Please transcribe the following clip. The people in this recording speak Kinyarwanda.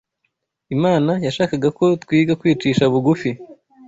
Imana yashakaga ko twiga kwicisha bugufi